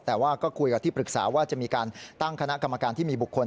แต่ว่าก็คุยกับที่ปรึกษาว่าจะมีการตั้งคณะกรรมการที่มีบุคคล